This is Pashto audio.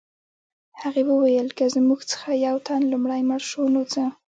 هغې وویل که زموږ څخه یو تن لومړی مړ شو نو څه